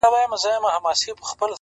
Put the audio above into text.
د وه بُت تراشۍ ته’ تماشې د ښار پرتې دي’